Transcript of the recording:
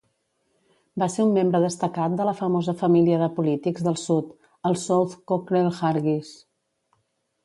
Va ser un membre destacat de la famosa família de polítics del sud, els South-Cockrell-Hargis.